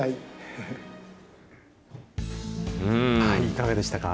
いかがでしたか？